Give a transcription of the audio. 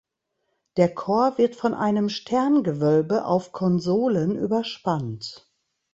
Der Chor wird von einem Sterngewölbe auf Konsolen überspannt.